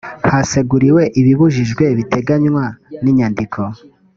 haseguriwe ibibujijwe biteganywa n inyandiko